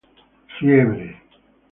Fiebre